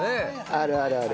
あるあるある。